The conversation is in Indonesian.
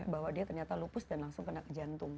bahwa dia ternyata lupus dan langsung kena ke jantung